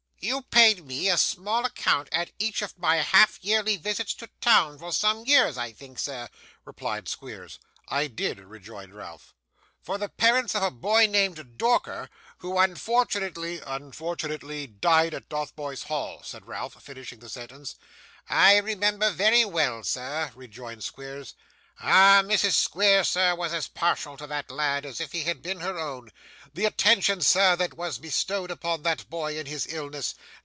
'You paid me a small account at each of my half yearly visits to town, for some years, I think, sir,' replied Squeers. 'I did,' rejoined Ralph. 'For the parents of a boy named Dorker, who unfortunately '' unfortunately died at Dotheboys Hall,' said Ralph, finishing the sentence. 'I remember very well, sir,' rejoined Squeers. 'Ah! Mrs. Squeers, sir, was as partial to that lad as if he had been her own; the attention, sir, that was bestowed upon that boy in his illness!